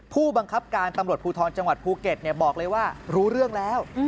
ผู้บังคับการตำรวจภูทรจังหวัดภูเก็ตบอกเลยว่ารู้เรื่องแล้ว